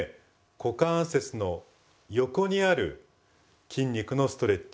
股関節の横にある筋肉のストレッチ。